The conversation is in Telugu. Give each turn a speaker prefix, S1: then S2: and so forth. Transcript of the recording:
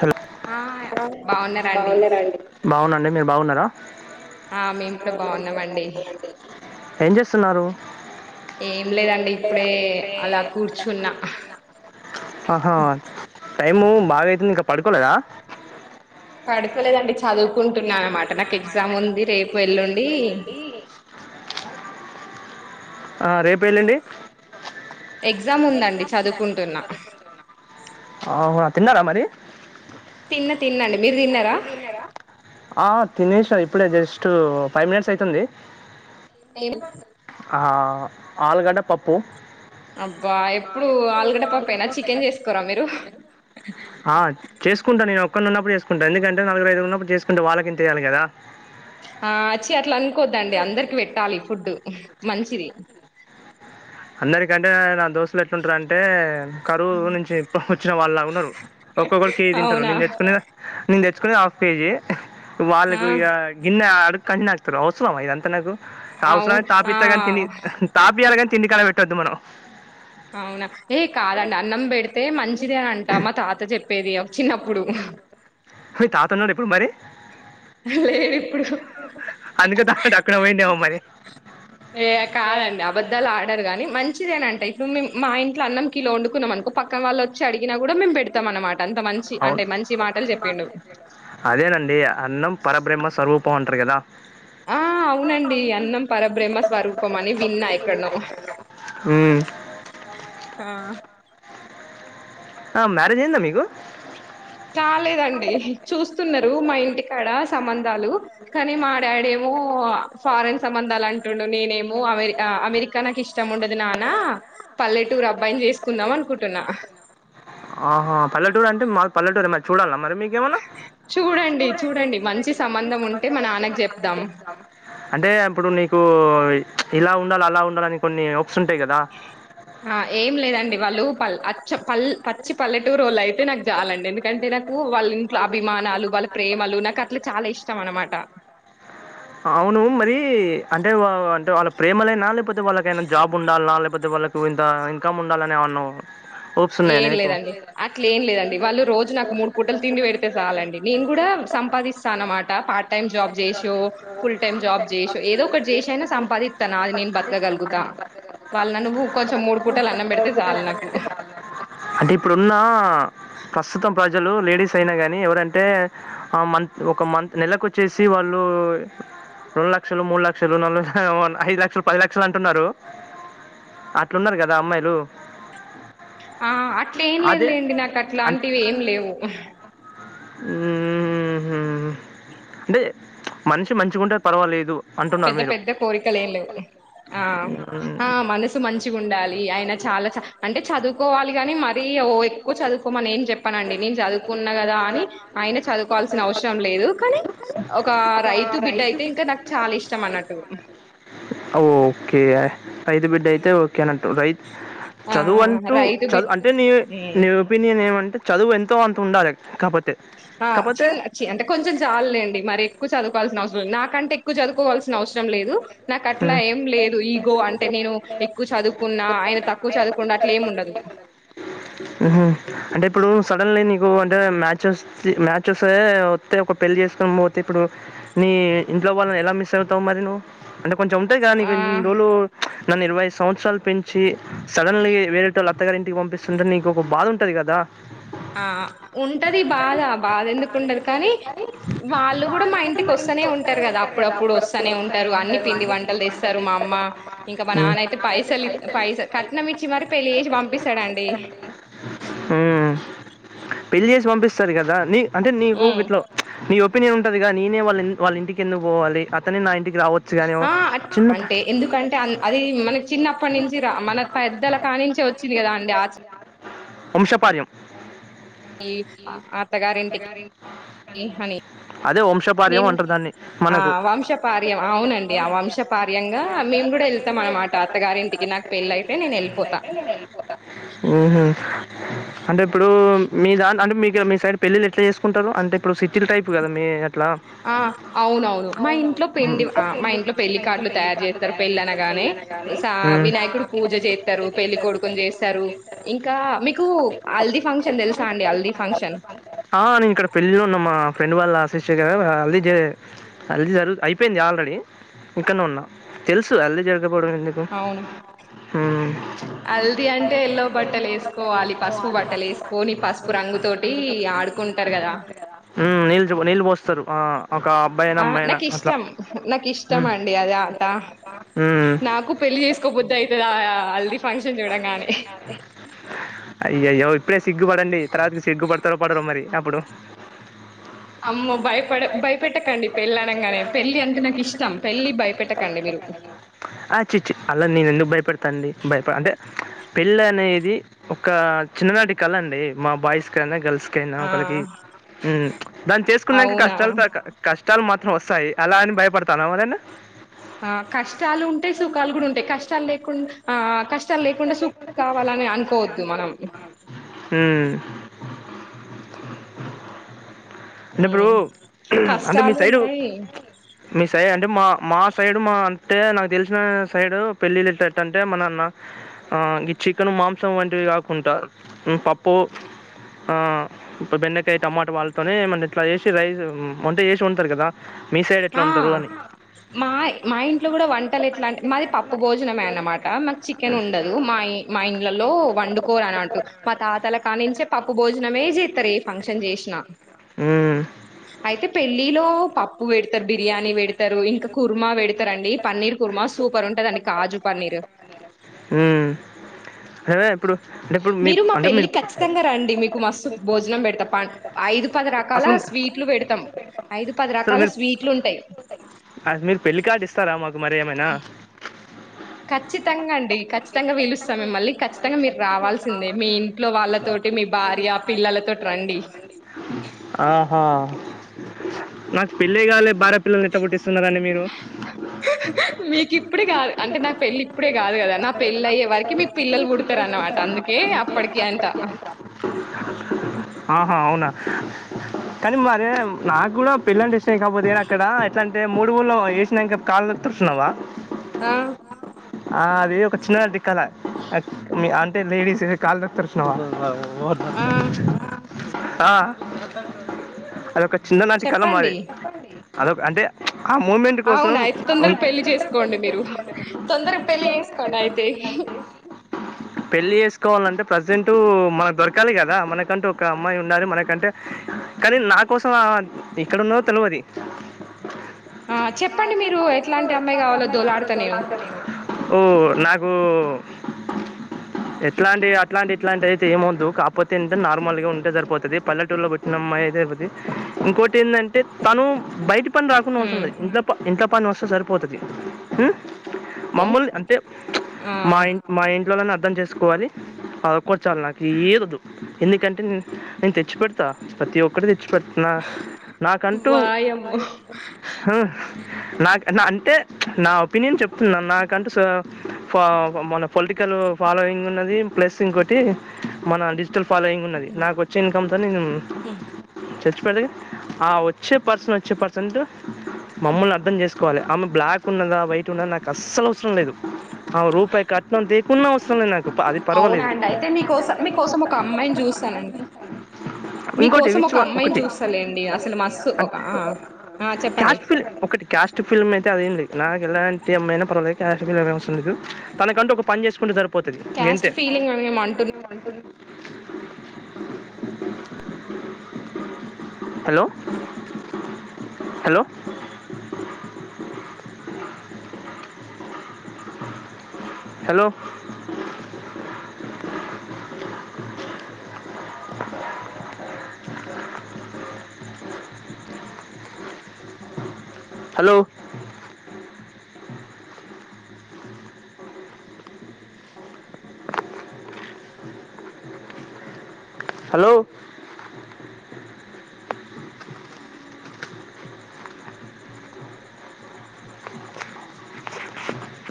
S1: హలో
S2: ఆ బాగున్నారండి
S1: బాగున్నారా అండి బాగున్నా అండి మీరు బాగున్నారా
S2: ఆ మేం కూడా బాగున్నామండి
S1: ఏం చేస్తున్నారు
S2: ఏం లేదండి. ఇప్పుడే అలా కూర్చున్నా
S1: ఆహా టైము బాగా అయి ఇంకా పడుకోలేదా
S2: పడు
S1: చదువుకుంటున్నాను. అన్నమాట
S2: ఎగ్జామ్
S1: నాకు
S2: ఉంది
S1: ఎగ్జామ్
S2: రేపు
S1: ఉంది. రేపు,
S2: ఎల్లుండి
S1: ఎల్లుండి ఆ రేపు, ఎల్లుండి
S2: ఎగ్జామ్ ఉందండి చదువుకుంటున్నా
S1: తిన్నారా మరి
S2: తిన్న తిన్నండి. మీరు తిన్నారా
S1: ఆ తినేస ఇప్పుడే జస్ట్ ఫైవ్ మినిట్స్ అయితుంది.
S2: ఏం
S1: ఆలుగడ్డ పప్పు
S2: అబ్బా ఎప్పుడు ఆలుగడ్డ పప్పేనా చికెన్ చేసుకోరా మీరు
S1: ఆ చేసుకుంటా నేను ఒకోన్నప్పుడు చేసుకుంట ఎందుకంటే నాలుగురు ఐదుగురు ఉన్నప్పుడు చేసుకుంటే వాళ్ళకింతేయాలి. కదా
S2: ఆ వచ్చి అట్లా అనుకోద్దండి. అందరికి పెట్టాలి. ఫుడ్డు మంచిది.
S1: అందరి కంటే నా దోస్త్ అసలు ఎట్లుంటారు. అంటే కరువు ఊరు నుంచి కొట్టుకొచ్చిన వాళ్ళలాగా ఉన్నారు. ఒక్కొక్కరు కేజి తింటారు.
S2: అవునా
S1: నేను తెచ్చుకునే నేను తెచ్చుకునే హాఫ్ కేజీ
S2: ఆ
S1: వాళ్ళకు ఇగా గిన్నె అడు [unintelligible] అవసరమా ఇదంత నాకు
S2: అవును
S1: అవసరమయితే తాపితా గాని, తిని
S2: ఆ
S1: తాపియను గాని తిండి కాడ పెట్టొద్దు మనం.
S2: అవునా ఏ కాదండి. అన్నం పెడితే మంచిది అని అంట మా తాత చెప్పేది. చిన్నప్పుడు
S1: మీ తాత ఉన్నాడు. ఇప్పుడు మరి
S2: లేదు ఇప్పుడు
S1: అందుకే తాత అక్కడ పోయిండేవమో మరి
S2: ఏ కాదండి. అబధాలు ఆడరు కాగాని మంచిదేనా అంటే ఇప్పుడు మేము మా ఇంట్లో అన్నం కిలో వండుకున్నాం. అనుకో పక్క వాళ్ళు వచ్చి అడిగిన కూడా మేము పెడతాం. అనమాట
S1: అవును అదేనండి. అన్నం పరబ్రహ్మ సరూప పోంటారు కదా
S2: ఆ అవునండి అన్నం పరబ్రహ్మ స్వరూపం అని విన్నా ఎక్కడనో
S1: హ్మ్
S2: ఆ
S1: ఆ మ్యారేజ్ అయ్యిందా మీకు
S2: కాలేదండి. చూస్తున్నారు. మా ఇంటికాడ సంబంధాలు కానీ మా డాడేమో ఫారెన్ సంబంధాలు అంటుండు, నేనేమో అమెరి అమెరికా నాకు ఇష్టం ఉండదు నాన్న పల్లెటూరు అబ్బాయిని చేసుకుందాం అనుకుంటున్నా.
S1: ఆహా పల్లెటూరు అంటే మాది పల్లటూరు మరీ చూడల్నా మరీ మరి మీకేమన్నా
S2: చూడండి చూడండి మంచి సంబంధం ఉంటే మా నాన్నకు చెప్దాం.
S1: అంటే అప్పుడు నీకు ఇలా ఉండాలి, అలా ఉండాలని కొన్ని హోప్స్ ఉంటాయి కదా
S2: ఆ ఏం లేదం డి వాళ్ళు పల్ అచ్చ పల్ పచ్చి పల్లెటూరోళ్ళు అయితే నాకు చాలండి. ఎందుకంటే నాకు వాళ్ళ ఇంట్లో అభిమానాలు, వాళ్ళ ప్రేమలు నాకు అట్లా చాలా ఇష్టం అనమాట.
S1: అవును మరి అంటే అంటే వాళ్ళ ప్రేమ లేనా, లేకపోతే వాళ్ళ ఎమన్నా జాబ్ ఉండాల్నా, లేకపోతే వాళ్ళకు ఇంత ఇన్కమ్ ఉండాలని ఎంఅన్నా
S2: ఏం లేదండి, అట్లే ఏం లేదండి. వాళ్ళు రోజు నాకు మూడు పూటలు తిండి పెడితే చాలండి. నేను కూడా సంపాదిస్తాను అన్నమాట పార్ట్ టైం జాబ్ చేసో ఫుల్ టైమ్ జాబ్ చేసో ఏదో ఒకటి చేసన్నా సంపాదిత్తా. నాది నేను బతకగలుగుతా వాళ్ళు నన్ను కొంచెం మూడు పూటలు అన్నం పెడితే సాలు నాకు.
S1: అంటే ఇప్పుడు ఉన్నా ప్రస్తుతం ప్రజలు లేడీస్ అయినా కానీ ఎవరంటే మంత్ ఒక మంత్ నెలకు వచ్చేసి వాళ్ళు రెండు లక్షలు, మూడు లక్షలు, నాలు లక్షలు, ఐదు లక్షలు, పది లక్షలు అంటున్నరు అట్లున్నరు కదా అమ్మాయిలు.
S2: ఆ అట్లే ఏం
S1: అదే
S2: లేదులేండి. నాకు అట్లాలాంటివి ఏం లేవు.
S1: హుహ్ అంటే మనిషి మంచిగా ఉంటే పర్వాలేదు. అంటున్నారు
S2: పెద్ద
S1: మీరు.
S2: పెద్ద కోరికలేం లేవు. ఆ
S1: మ్మ్.
S2: ఆ మనసు మంచిగా ఉండాలి. ఆయన చాలా చ అంటే చదువుకోవాలి, కాని మరి ఓ ఎక్కువ చదువుకోమని ఏం చెప్పనండి. నేను చదువుకున్నా కదా అని ఆయన చదువుకోవాల్సిన అవసరం లేదు. కానీ ఒక రైతు బిడ్డయితే ఇంకా నాకు చాల ఇష్
S1: ఓకే రైతు బిడ్డ అయితే ఓకే అనటు రై
S2: ఆ
S1: చదువు అంటూ
S2: రైతు బిడ్
S1: చదువు అంటే నీ
S2: ఉమ్
S1: నీ ఒపీనియన్ ఏమ చదువు ఎంతో అంత ఉండాలె కాపో
S2: ఆ చిన్న చి అంటే కొంచెం చాలులేండి. మరి ఎక్కువ చదువుకోవాల్సిన అవసరం నాక్ నాకంటే ఎక్కువ చదువుకోవాల్సిన అవసరం లేదు. నాకు
S1: చదువుకోవాల్సిన అవసరం
S2: అట్లా
S1: లేదు ఉ
S2: ఏం లేదు ఈగో అంటే నేను ఎక్కువ చదువుకున్నా ఆయన తక్కువ చదువుకుండు అట్ల ఏం ఉండదు.
S1: కు అంటే మ్యాచస్ మ్యాచ్ వస్తే వత్తే ఒక పెళ్ళ చేసుకని పోతే ఇప్పుడు నీ ఇంట్లో వాళ్లనీ ఎలా మిస్ అవుతావు మరి నువ్వు అంటే కొంచెం ఉంటయి గా
S2: ఆ
S1: ఇన్ని రోలు నన్ను ఇరవైఐదు సంవత్సరాలు పెంచి సడన్లీ వేరేటోల అత్తగారి ఇంటికి పంపిస్తుంటే నీకు ఒక బాధ ఉంటది కదా.
S2: ఆ ఉంటది బాధ బాధ ఎందుకు ఉండదు కానీ వాళ్ళు కూడా మా ఇంటికి వస్తనే ఉం టరు కదా అప్పుడప్పుడు వస్తానే ఉంటారు. అన్ని పిండి వంటలు తెస్తరు. మా అమ్మ ఇంకా మా
S1: ఉమ్.
S2: నాన్న అయితే పైసల్ పైస కట్నం ఇచ్చి మరి పెళ్లిచేసి పంపిస్తడు అండి.
S1: ఆ పెళ్లి జెసి పంపిస్తరు కదా అనీ అంటే నీకు
S2: ఉమ్.
S1: గిట్ల చ్ నీ ఒపీనియన్ ఉంటదిగా నేనే వాళ వాళ్ళింటి కి ఎందుకు పోవాలి అతనే నా ఇంటికి రావ
S2: ఆ అంటే ఎందుకంటే అది మనక్ చిన్నప్పటి నుంచి రా మన పెద్దల కానించే వచ్చింది కదా అండి ఆచా
S1: వంశపర్యం
S2: అత్తగారింటికి అని
S1: అదే వంశపర్యం
S2: నేను
S1: అంటరు దాన్ని మనకు ఆ
S2: వంశపార్యం
S1: వంశపర్యం
S2: అవునండి ఆ
S1: అవునండీ అవును
S2: వంశపార్యంగా
S1: వంశపర్యంగా
S2: మేము కూడా
S1: గా నేను
S2: వెళ్తాం
S1: కూడ
S2: అనమాట
S1: వెళ్తా అనమాట
S2: అత్తగారింటికి నాకు పెళ్ళి అయితే
S1: అత్తగారింటికి
S2: నేను
S1: నాకు పెళ్లి
S2: వెళ్ళిపోతా
S1: అయితే నేను వెళ్ళిపోతా అంటే ఇప్పుడు మిదాన్ అంటే మీకు మీ సైడ్ పెళ్ళిళ్ళ ఎట్లా చేసుకుంటారు అంటే ఇప్పుడు సిటీల్ టైపు కదా మీ అట్లా
S2: ఆ అవునవును మా ఇంట్లో పిండి వంట ఆ మా ఇంట్లో పెళ్లికార్డులు తయారు చేస్తారు పెళ్ళి అనగానే సా వినాయకుడు పూజ చేతరు పెళ్లి కొడుకుని చేస్తారు ఇంకా మీకు హల్ది ఫంక్షన్ తెలుసా అండి హల్ది ఫంక్షన్
S1: ఆ నేను ఇక్కడ పెళ్ళిలో ఉన్న మా ఫ్రెండ్ వాళ్ళ సిస్టర్ ది గదా వాళ్ళు హల్ది చేయలే హాల్ది జరుగుతా అయిపోయింది ఆల్రెడీ ఇక్కడనే ఉన్నా తెలుసు హాల్ది జరుగ్
S2: అవును హల్ది అంటే ఎల్లో బట్టలు వేసుకోవాలి పసుపు బట్టలు వేసుకోని పసుపు రంగుతోటి ఆడుకుంటారు గదా
S1: జగ్గు నిలిపోస్తారు ఆ ఆ
S2: ఆ నాకు ఇష్టం నాకు ఇష్టం
S1: ఉమ్,
S2: అండి అద ఆట
S1: ఉమ్,
S2: నాకు పెళ్లి చేసుకో బుద్ధి అయితది ఆ హల్దీ ఫంక్షన్
S1: హల్దీ ఫంక్షన్ చూడంగానే అయ్యయో ఇప్పుడే సిగ్గు పడండి తర్వాకి సిగ్గు పడి తొరపడరు మరీ అప్పుడు
S2: అమ్మో భయపడ భయపెట్టకండి పెళ్ళి అనగానే పెళ్ళి అంటే నాకు ఇష్టం పెళ్లి భయపెట్టకండి మీరు
S1: తండి భయపడి అంటే పెళ్ళి అనేది ఒక చిన్ననాటి కళ అండి మా బాయ్స్ కన్నా గర్ల్స్ కైన
S2: ఆ
S1: ఒకరికి మ్మ్ దాన్ని చేసుకున్నంక
S2: అవునా
S1: కష్టాలు క చష్టాలు మాత్రం వస్తాయి అలా అని భయపడతాన వదేనా
S2: ఆ కష్టాలు ఉంటాయి సుఖాలు కూడా ఉంటాయి కష్టాలు లేకున్ కష్ట మనం
S1: మ్మ్ అంటే ఇప్పుడు
S2: ఉమ్,
S1: అంటే మీ
S2: కష్టాలు
S1: సైడు
S2: ఉంటాయి
S1: మీ సైడ్ అంటే అంటే మా మా సైడు మా అంటే నాకు తెలిసిన సైడు పెళ్ళిళ్ళు ఎట్లట్ల అంటే మన నా ఆ ఈ చికెన్ మాంసం వంటివి కాకుంటారు పప్పు ఆ బెండకాయ టమాటా వాళ్ళతోనే మన ఇట్లా చేసి రైస్ అంటే చేసి ఉంటారు కదా మీ సైడ్ ఎట్లా
S2: ఆ
S1: వండుతారు అని
S2: మా మా ఇంట్లో కూడా వంటలు ఎట్లా అంటే మాది పప్పు భోజనమే అన్నమాట మాకు చిక్ న్ ఉండదు మా మా ఇండ్లలో వండుకోరు అని అట్టు మా తాతల కానించే పప్పు భోజనమే చేస్తారు ఏ ఫంక్షన్ చేసిన
S1: మ్మ్,
S2: అయితే పెళ్ళిలో పప్ ఉప్పు పెడతారు బిర్యానీ పెడతారు ఇంకా కుర్మా పెడతారండి పన్నీర్ కుర్మా సూపర్ ఉంటదండి కాజు పన్నీర్
S1: మ్మ్ అవే
S2: మీరు మా పెళ్ళి ఖచ్చితంగా రండి మీకు మస్తు భోజనం పెడతా ప ఐదు పది రకాల
S1: అసలు
S2: స్వీట్లు పెడతాం ఐదు పది
S1: అసలు
S2: రకాల
S1: మీరు
S2: స్వీట్లు ఉంటాయి
S1: మారేమనా
S2: ఖచ్చితంగా అండి ఖచ్చితంగా పిలుస్తాం మిమ్మల్ని. ఖచ్చితంగా మీరు రావాల్సిందే. మీ ఇంట్లో వాళ్ళతోటి మీ భార్య పిల్లలతోటి రండి.
S1: ఆహా నాకు పెళ్లే కాలే బారాత్
S2: మీకు ఇప్పుడే గాదు అంటే నా పెళ్ళి ఇప్పుడే గాదు కదా నా పెళ్లి అయ్యే వరకి మీకు పిల్లలు పుడతారు అనమాట అందుకే అప్పటికి అంత
S1: ఆహా అవునా కానీ మరే నాకు కూడా పెళ్లి అంటే ఇష్టమే కాకపోతే ఏ అక్కడ ఎట్లా అంటే మూడు ముళ్ళు ఏషి నంక కాళ్ళు తూడుస్ తున్నావా
S2: ఆ
S1: ఆ అది ఒక చిన్న టిక్కాల అంటే లేడీస్ కాళ్ళు తుడిచినవ నువ్వు నా గురించి ఏం
S2: ఆ
S1: తిసినావ్ ఆ అది ఒకటి చిన్ననాటి కల మాది అదొక్ అంటే ఆ మూమెంట్ కోసం
S2: అవునా అయితే తొందర
S1: ఉన్-
S2: పెళ్లి చేసుకోండి మీరు తొందర
S1: పెళ్లి చేసుకోవాలంటే ప్రజెంట్ మనకు దొరకాలి కదా మనకంటూ ఒక అమ్మాయి ఉండాలి మనకంటే కానీ నా కోసం ఆమె ఎక్కడ ఉన్నదో తెలువది
S2: ఆ చెప్పండి మీరు ఎట్లాంటి అమ్మాయి కావాలలో దొవులాడుత నేను
S1: ఓ నాకు ఎట్లాంటి అట్లాంటి ఇట్లాంటి అయితే ఏమ్ వద్దు కాకపోతే ఏంటే నార్మల్గా ఉంటే సరిపోతది పల్లెటూరులో పుట్టిన అమ్మాయి అయితే ఐపోయింది ఇంకోటి ఏంది అంటే తను బయటి పని రాకున్నా అవసరం
S2: ఉమ్
S1: లే ఇంట్ల పన్ ఇంట్ల పని వస్తే సరిపోతది ఉ మమ్మల్ని అంటే
S2: ఆ
S1: మా ఇన్ మా ఇంట్లోల నాట్ అర్థం చేసుకోవాలి అది ఒక్కటి చాలు నాకు ఏది వద్దు ఎందుకంటే నేను తెచ్చి పెడతా ప్రతి ఒక్కటి తెచ్ పెట్నా నాకంటూ
S2: వాయమ్మో
S1: హ నాకు న అంటే న ఒపీనియన్ చెప్తున్నా నాక్ కంటూ సో ఫా మన పొలిటికల్ ఫాలోయింగ్ ఉన్నది ప్లస్ ఇంకోటి మన డిజిటల్ ఫాలోయింగ్ ఉన్నది నాకు వచ్చే ఇన్కమ్ంతో నేను చచ్ ప్రదే ఆ వచ్చే పర్సన్ వచ్చే పర్సన్ తో మమ్మల్ని అర్థం చేసుకోవాలి ఆమె బ్లాక్ ఉన్నదా వైట్ ఉన్నదా నాకు అస్సలు అవసరం లేదు ఆమె రూపాయి కట్నం తే కున్న అవసరం లే నాకు అది పర్వాలేదు.
S2: అవునండి అయితే మీకోసం మీకోసం ఒక అమ్మాయిని చూస్తానండి
S1: ఇంకోటి
S2: మీకోసం
S1: విచ్
S2: ఒక
S1: వన్
S2: అమ్మాయిని
S1: ఒకటి
S2: చూస్తాలేండి అసలు మస్తు ఒక ఆ ఆ చెప్పండి
S1: ఏ అదేం లే నాకు ఎలాంటి అమ్మయినా పర్వలే తనకంటూ ఒక పని చేసుకుంటే సరుప్ పోతది మిన్
S2: క్యాస్ట్
S1: తే
S2: ఫీలింగ్ అని ఏమో అంటున్నారు
S1: hello hello hello hello hello